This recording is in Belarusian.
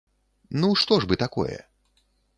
Ну, што ж бы такое?